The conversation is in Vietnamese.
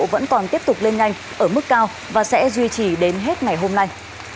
vẫn còn tiếp tục lên nhanh ở mức cao và sẽ duy trì đến hết ngày hôm nay